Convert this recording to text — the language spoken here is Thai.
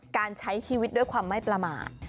การใช้ชีวิตด้วยความไม่ประมาท